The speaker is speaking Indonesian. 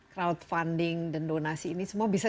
crowdfunding dan donasi ini semua bisa